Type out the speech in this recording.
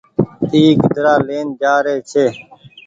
اي گيدرآ لين جآ رئي ڇي۔